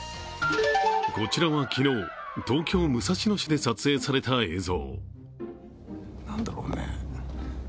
こちらは昨日、東京・武蔵野市で撮影された映像。